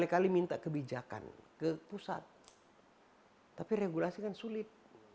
kebijakan ke pusat tapi regulasi kan sulit